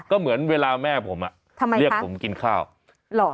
ใช้เมียได้ตลอด